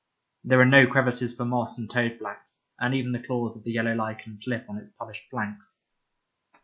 There are no crevices for moss and toad flax, and even the claws of the yellow lichen slip on its polished flanks.